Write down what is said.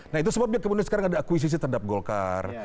nah itu sebabnya kemudian sekarang ada akuisisi terhadap golkar